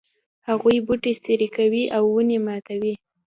هغوی بوټي څیري کوي او ونې ماتوي